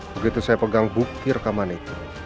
begitu saya pegang bukti rekaman itu